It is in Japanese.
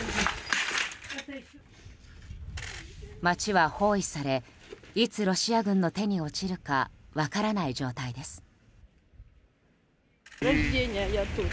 街は包囲されいつロシア軍の手に落ちるか分からない状態です。